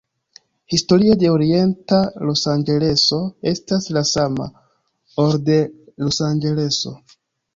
Historio de Orienta Losanĝeleso estas la sama, ol de Los Anĝeleso.